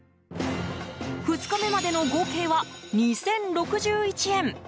２日目までの合計は２０６１円。